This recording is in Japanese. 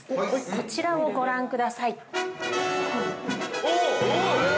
こちらをご覧ください。